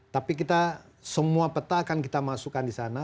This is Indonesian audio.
tapi kita semua peta akan kita masukkan di sana